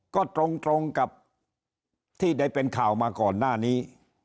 ก็ตรงกับที่ได้เป็นข่าวมาก่อนหน้านี้